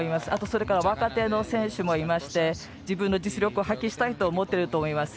それから若手の選手もいまして自分の実力を発揮したいと思っていると思います。